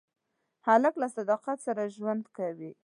هلک له صداقت سره ژوند کوي.